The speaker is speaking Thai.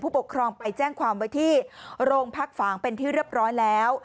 ปกครองไปแจ้งความไว้ที่โรงพักฝางเป็นที่เรียบร้อยแล้ว